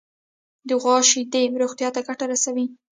د غوا شیدې روغتیا ته ګټه رسوي.